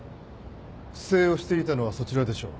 不正をしていたのはそちらでしょう。